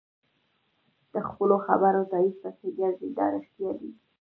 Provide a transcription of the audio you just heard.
د خپلو خبرو تایید پسې ګرځي دا رښتیا دي.